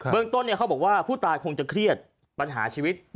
ต้นเขาบอกว่าผู้ตายคงจะเครียดปัญหาชีวิต